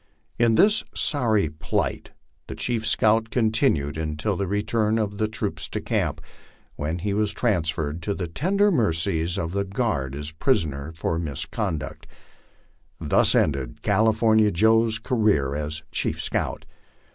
In this sorry plight the chief scout continued until the return of the troops to camp, when lie was transferred to the tender mercies of the guard as a prisoner for mis conduct. Thus ended California Joe's career as chief scout.